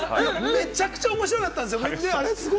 めちゃくちゃ面白かったんすよ。